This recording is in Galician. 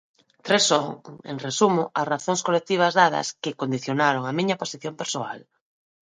Tres son, en resumo, as razón colectivas dadas que condicionaron a miña posición persoal.